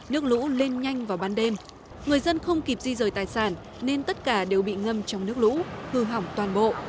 nước lũ lên nhanh vào ban đêm người dân không kịp di rời tài sản nên tất cả đều bị ngâm trong nước lũ hư hỏng toàn bộ